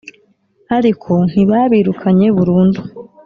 ariko ntibabirukanye burundu.